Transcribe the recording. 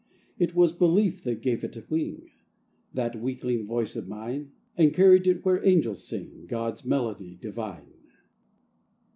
It was belief that gave it wing, That weakling voice of mine, And carried it where angels sing God's Melody Divine.